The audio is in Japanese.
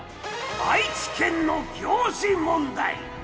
愛知県の行事問題。